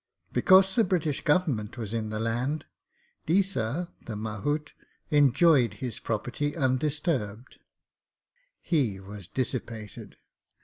Because the British Government was in the land, Deesa, the mahout, enjoyed his property undisturbed. He was dissipated.